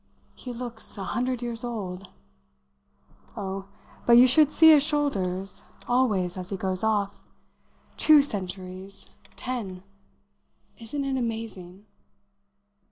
"He looks a hundred years old!" "Oh, but you should see his shoulders, always, as he goes off! Two centuries ten! Isn't it amazing?"